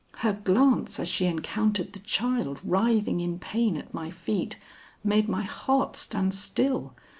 Her glance as she encountered the child writhing in pain at my feet, made my heart stand still.